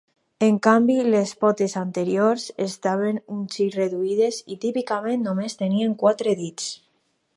En canvi, les potes anteriors estaven un xic reduïdes, i típicament només tenien quatre dits.